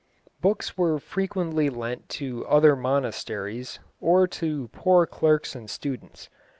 Books were frequently lent to other monasteries, or to poor clerks and students.